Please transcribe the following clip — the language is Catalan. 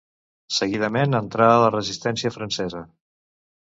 Seguidament, entrà a la resistència francesa.